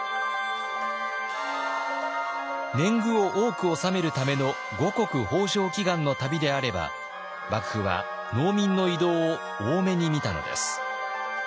年貢を多く納めるための五穀豊穣祈願の旅であれば幕府は農民の移動を大目に見たのです。